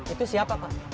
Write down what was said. itu siapa pak